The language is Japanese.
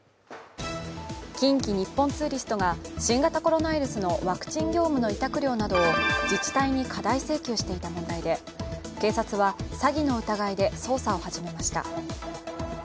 近畿日本ツーリストが新型コロナウイルスのワクチン業務の委託料などを自治体に過大請求していた問題で警察は詐欺の疑いで捜査を始めました。